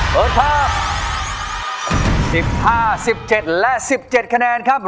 เปิดภาพสิบห้าสิบเจ็ดและสิบเจ็ดคะแนนครับ